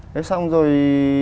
thế xong rồi